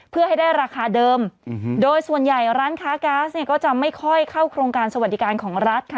เพื่อให้ได้ราคาเดิมโดยส่วนใหญ่ร้านค้าก๊าซเนี่ยก็จะไม่ค่อยเข้าโครงการสวัสดิการของรัฐค่ะ